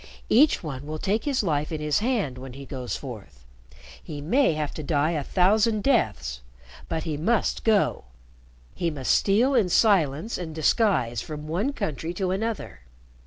"Each one will take his life in his hand when he goes forth. He may have to die a thousand deaths, but he must go. He must steal in silence and disguise from one country to another.